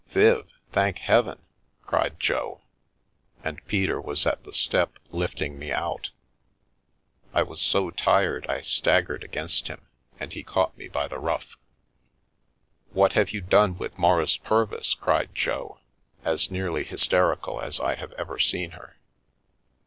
" Viv I Thank Heaven I " cried Jo, and Peter was at the step lifting me out I was so tired, I staggered against him, and he caught me by the ruff. 160 First Maurice and then Edgar "What have you done with Maurice Purvis ?" cried Jo, as nearly hysterical as I have ever seen her.